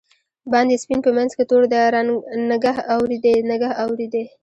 باندی سپین په منځ کی تور دی، نګه اوردی؛ نګه اوردی